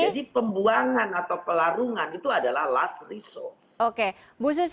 jadi pembuangan atau pelarungan itu adalah last resource